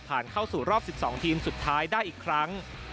เข้าสู่รอบ๑๒ทีมสุดท้ายได้อีกครั้ง